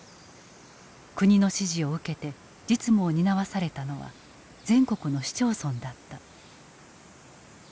国の指示を受けて実務を担わされたのは全国の市町村だった。